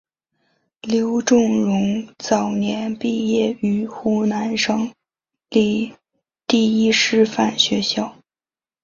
刘仲容早年毕业于湖南省立第一师范学校。